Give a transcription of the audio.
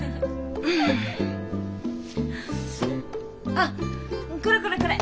あっこれこれこれ！